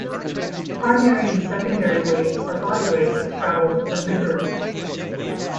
Primary and secondary waves are body waves that travel within the Earth.